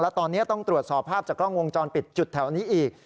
และตอนนี้ต้องตรวจสอบภาพจากกล้องวงจรปิดจุดแถวนี้อีก